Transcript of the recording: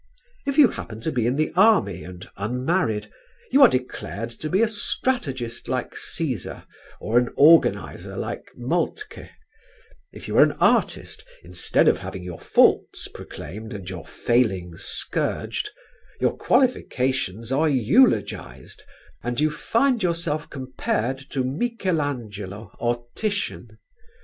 If you happen to be in the army and unmarried, you are declared to be a strategist like Cæsar, or an organizer like Moltke; if you are an artist, instead of having your faults proclaimed and your failings scourged, your qualifications are eulogised and you find yourself compared to Michel Angelo or Titian!